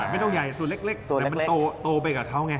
ไม่ต้องใหญ่ส่วนเล็กแต่มันโตไปกับเขาไง